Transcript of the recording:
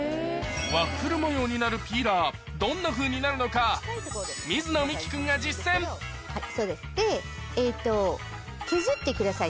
ワッフル模様になるピーラーどんなふうになるのか水野美紀君が実践そうですでえっと削ってください